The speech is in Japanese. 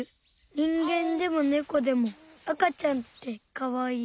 人間でもネコでもあかちゃんってかわいい。